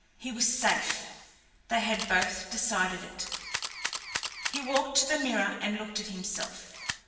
He was safe. They had both decided it. He walked to the mirror and looked at himself.